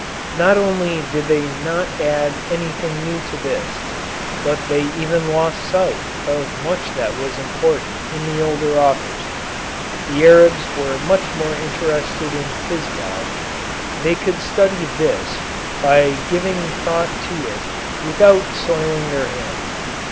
Not only did they not add anything new to this, but they even lost sight of much that was important in the older authors. The Arabs were much more interested in physiology; they could study this by giving thought to it without soiling their hands.